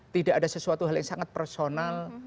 tidak ada sesuatu hal yang sangat personal